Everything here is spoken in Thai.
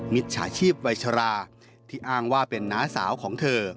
มิจฉาชีพวัยชราที่อ้างว่าเป็นน้าสาวของเธอ